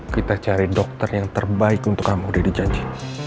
kita cari dokter yang terbaik untuk kamu udah dijanji